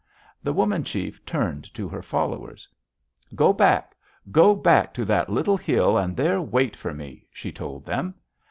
"The woman chief turned to her followers: 'Go back! Go back to that little hill and there wait for me,' she told them.